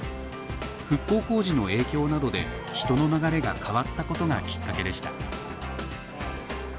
復興工事の影響などで人の流れが変わったことがきっかけでした。